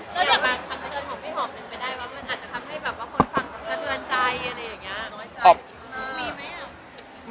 แล้วอย่างบ้างคำเตือนของพี่หอมเป็นไปได้ว่ามันอาจจะทำให้แบบว่าคนฟังเขาเตือนใจอะไรอย่างนี้มีไหมอ่ะ